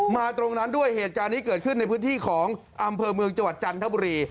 ตรงนั้นด้วยเหตุการณ์นี้เกิดขึ้นในพื้นที่ของอำเภอเมืองจังหวัดจันทบุรี